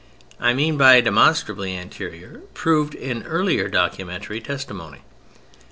I mean by "demonstrably" anterior, proved in earlier documentary testimony.